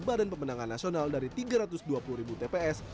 badan pemenangan nasional dari tiga ratus dua puluh ribu tps